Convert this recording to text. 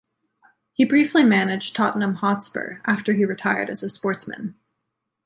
He briefly managed Tottenham Hotspur after he retired as a sportsman.